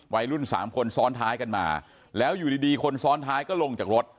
วัยรุ่นสามคนซ้อนท้ายกันมาแล้วอยู่ดีคนซ้อนท้ายก็ลงจากรถ